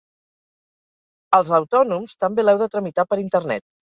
Els autònoms també l'heu de tramitar per internet.